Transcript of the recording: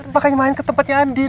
makanya main ke tempatnya andi